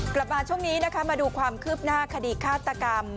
กลับมาช่วงนี้นะคะมาดูความคืบหน้าคดีฆาตกรรม